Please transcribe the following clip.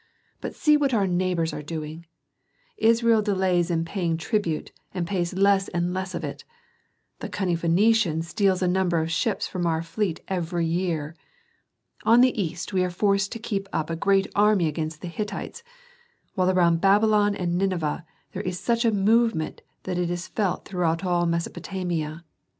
But see what our neighbors are doing. Israel delays in paying tribute and pays less and less of it. The cunning Phœnician steals a number of ships from our fleet every year. On the east we are forced to keep up a great army against the Hittites, while around Babylon and Nineveh there is such a movement that it is felt throughout all Mesopotamia.